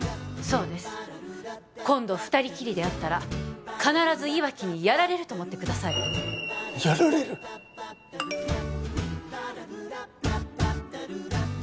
そうです今度二人きりで会ったら必ず岩城にやられると思ってくださいやられる？